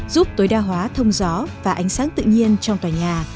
giúp tối đa hóa thông gió và ánh sáng tự nhiên trong tòa nhà